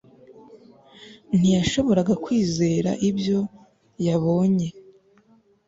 ntiyashoboraga kwizera ibyo yabonye